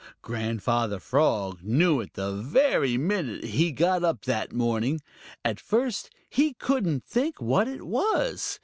Grandfather Frog knew it the very minute he got up that morning. At first he couldn't think what it was.